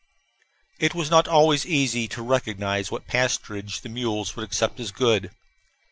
It was not always easy to recognize what pasturage the mules would accept as good.